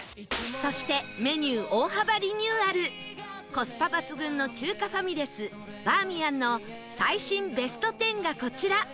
そしてメニュー大幅リニューアルコスパ抜群の中華ファミレスバーミヤンの最新ベスト１０がこちら